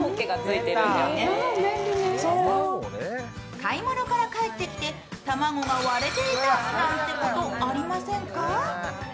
買い物から帰って来て卵が割れていたなんてことありませんか？